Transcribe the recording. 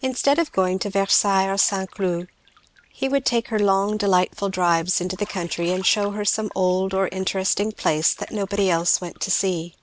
Instead of going to Versailles or St. Cloud, he would take her long delightful drives into the country and shew her some old or interesting place that nobody else went to see.